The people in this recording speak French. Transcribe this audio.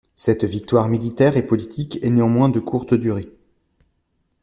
Cette victoire militaire et politique est néanmoins de courte durée.